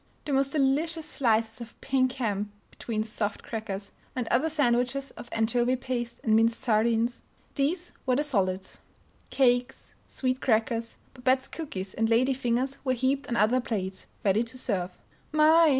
The most delicious slices of pink ham between soft crackers and other sandwiches of anchovy paste and minced sardines. These were the "solids." Cakes, sweet crackers, Babette's cookies and lady fingers were heaped on other plates, ready to serve. "My!"